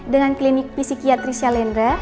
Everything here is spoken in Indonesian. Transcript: dengan klinik fisikiatrisya lender